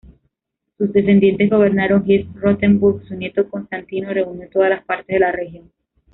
Sus descendientes gobernaron Hesse-Rotenburg, su nieto, Constantino reunió todas las partes de la región.